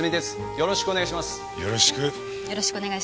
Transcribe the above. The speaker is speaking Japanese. よろしくお願いします。